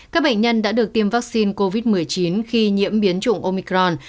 các bệnh nhân đã được tiêm vaccine covid một mươi chín khi nhiễm biến chủng omicron